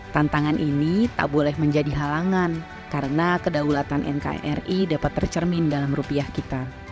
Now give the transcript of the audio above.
tantangan ini tak boleh menjadi halangan karena kedaulatan nkri dapat tercermin dalam rupiah kita